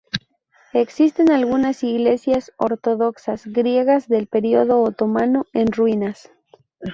Existen algunas iglesias ortodoxas griegas del periodo otomano en ruinas.